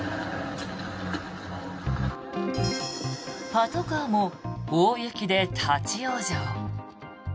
パトカーも大雪で立ち往生。